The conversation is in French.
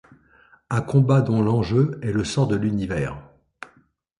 Un combat dont l'enjeu est le sort de l'Univers.